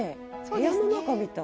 部屋の中みたい。